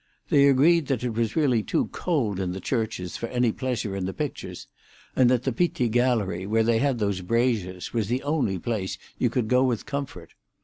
They agreed that it was really too cold in the churches for any pleasure in the pictures, and that the Pitti Gallery, where they had those braziers, was the only place you could go with comfort.